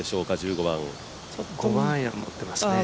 ５番アイアンを持っていますね。